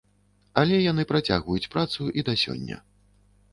Але яны працягваюць працу і да сёння.